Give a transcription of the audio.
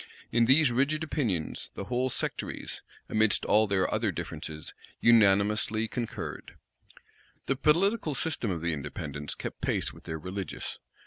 In these rigid opinions the whole sectaries, amidst all their other differences, unanimously concurred. The political system of the Independents kept pace with their religious.